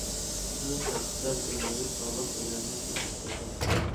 سىز شەخسلەر ئۆزلىرى سالغان ئۆيلەرنى كۆزىتىپ بېقىڭ.